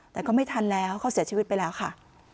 แต่ก็ไม่ทันแล้วเขาเสียชีวิตไปแล้วค่ะ